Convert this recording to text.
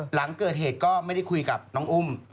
หลังเกิดเหตุก็ไม่ได้คุยกับน้องอุ้ม